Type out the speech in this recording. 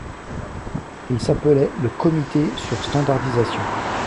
Il s'appelait le Comité sur standardisation.